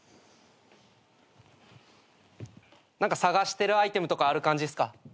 何か探してるアイテムとかある感じですか？